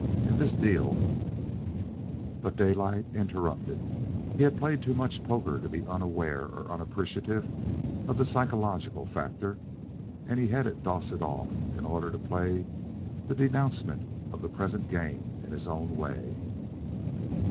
In this deal " But Daylight interrupted. He had played too much poker to be unaware or unappreciative of the psychological factor, and he headed Dowsett off in order to play the denouncement of the present game in his own way.